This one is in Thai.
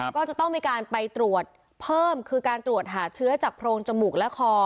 ก็จะต้องมีการไปตรวจเพิ่มคือการตรวจหาเชื้อจากโพรงจมูกและคอ